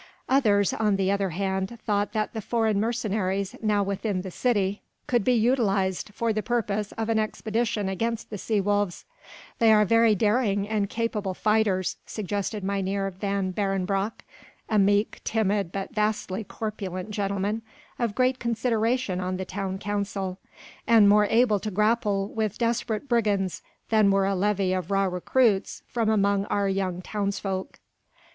Others on the other hand thought that the foreign mercenaries now within the city could be utilised for the purpose of an expedition against the sea wolves. "They are very daring and capable fighters," suggested Mynheer van Beerenbrock a meek, timid but vastly corpulent gentleman of great consideration on the town council, "and more able to grapple with desperate brigands than were a levy of raw recruits from among our young townsfolk."